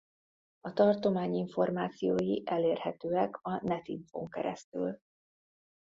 A tartomány információi elérhetőek a NetInfo-n keresztül.